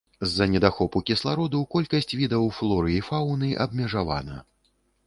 З-за недахопу кіслароду колькасць відаў флоры і фаўны абмежавана.